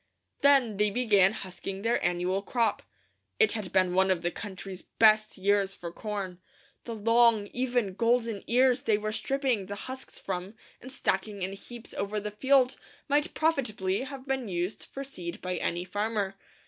Then they began husking their annual crop. It had been one of the country's best years for corn. The long, even, golden ears they were stripping the husks from and stacking in heaps over the field might profitably have been used for seed by any farmer.